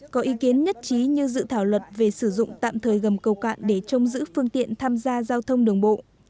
có ý kiến nhất trí như dự thảo luật về sử dụng tạm thời gầm cầu cạn để trông giữ phương tiện tham gia giao thông đường bộ